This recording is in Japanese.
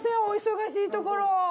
お忙しいところ。